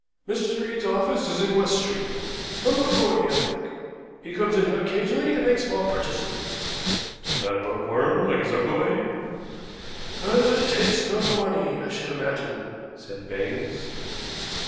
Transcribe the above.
"Mr. Eade's office is in West Street No. 40, I think. He comes in here occasionally to make small purchases." "Not a bookworm like his uncle, eh?" "Neither the taste nor the money, I should imagine," said Baines.